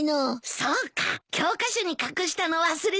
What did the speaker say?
そうか教科書に隠したの忘れてたんだ。